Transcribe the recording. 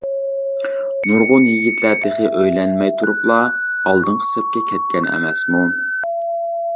نۇرغۇن يىگىتلەر تېخى ئۆيلەنمەي تۇرۇپلا ئالدىنقى سەپكە كەتكەن ئەمەسمۇ.